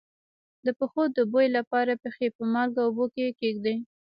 د پښو د بوی لپاره پښې په مالګه اوبو کې کیږدئ